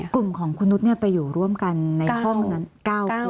กลุ่มของคุณนุษย์ไปอยู่ร่วมกันในห้องนั้น๙คน